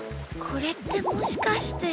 これってもしかして。